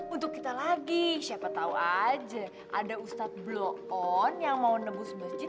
untuk kita lagi siapa tahu aja ada ustadz bloon yang mau nebus masjid